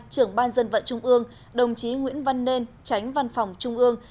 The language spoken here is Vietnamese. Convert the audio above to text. trưởng ban dân vận trung ương đồng chí nguyễn văn nên tránh văn phòng trung ương